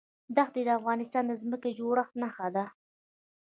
دښتې د افغانستان د ځمکې د جوړښت نښه ده.